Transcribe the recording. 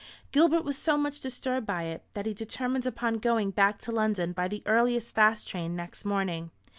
Gilbert was so much disturbed by it, that he determined upon going back to London by the earliest fast train next morning.